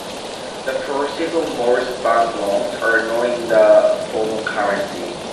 The proceeds of most bank loans are not in the form of currency.